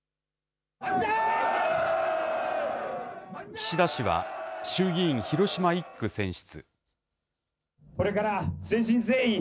岸田氏は、衆議院広島１区選出。